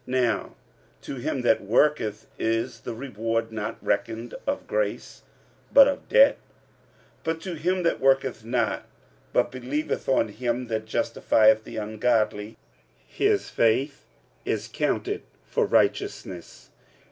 45:004:004 Now to him that worketh is the reward not reckoned of grace, but of debt. 45:004:005 But to him that worketh not, but believeth on him that justifieth the ungodly, his faith is counted for righteousness.